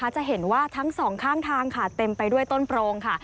จะเห็นว่าทั้งสองข้างทางค่ะเต็มไปด้วยต้นโพรงค่ะ